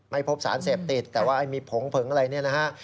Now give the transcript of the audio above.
ไม่พบสารเสพติดแต่ว่าไอ้มีผงเผิงอะไรเนี่ยนะฮะ